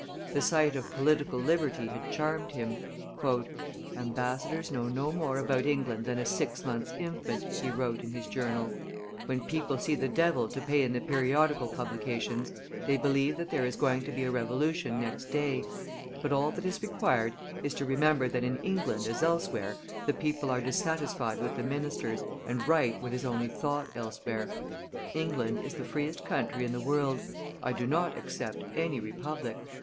The sight of political liberty had charmed him. "Ambassadors know no more about England than a six months' infant," he wrote in his journal; "when people see the devil to pay in the periodical publications, they believe that there is going to be a revolution next day; but all that is required is to remember that in England as elsewhere, the people are dissatisfied with the ministers and write what is only thought elsewhere. England is the freest country in the world; I do not except any republic."